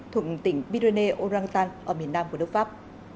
thuộc tỉnh pyrénées ou rang tan ở miền nam của nước pháp